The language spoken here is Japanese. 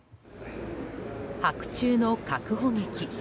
白昼の確保劇。